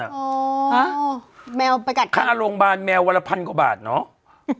อ้าวแมวไปกัดค่าโรงพยาบาลแมววันละพันกว่าบาทเนาะ